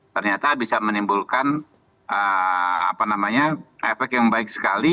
ternyata bisa menimbulkan apa namanya efek yang baik sekali